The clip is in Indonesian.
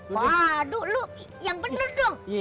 waduh lo yang bener dong